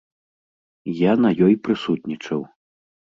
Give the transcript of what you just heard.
Я на ёй прысутнічаў.